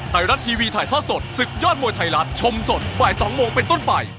ไทยรัฐทีวีถ่ายทอดสดศึกยอดมวยไทยรัฐชมสดบ่าย๒โมงเป็นต้นไป